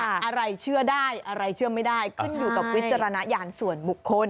อะไรเชื่อได้อะไรเชื่อไม่ได้ขึ้นอยู่กับวิจารณญาณส่วนบุคคล